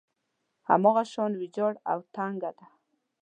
هماغه شان ويجاړه او تنګه ده.